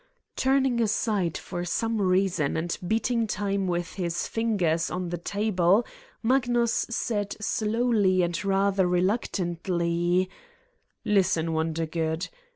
Turning aside for some reason and beating time with his fingers on the table, Magnus said slowly and rather reluctantly : "Listen, Wondergood.